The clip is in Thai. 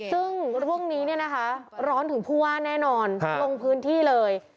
ซึ่งเรื่องนี้ร้อนถึงผู้ว่าแน่นอนลงพื้นที่เลย